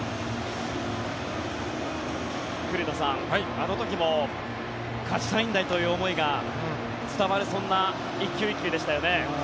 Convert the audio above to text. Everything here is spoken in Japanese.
古田さん、あの時も勝ちたいんだという思いが伝わるそんな１球１球でしたよね。